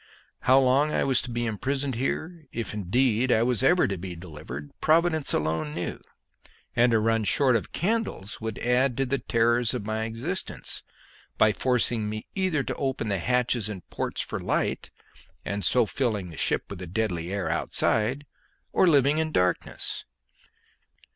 How long I was to be imprisoned here, if indeed I was ever to be delivered, Providence alone knew; and to run short of candles would add to the terrors of my existence, by forcing me either to open the hatches and ports for light, and so filling the ship with the deadly air outside, or living in darkness.